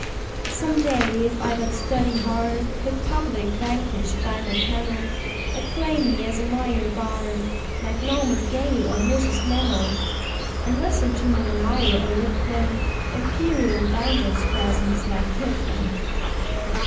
Some day, if I but study hard, The public, vanquished by my pen'll Acclaim me as a Minor Bard, Like Norman Gale or Mrs. Meynell, And listen to my lyre a rippling Imperial banjo spasms like Kipling.